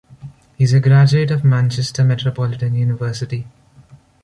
He is a graduate of Manchester Metropolitan University.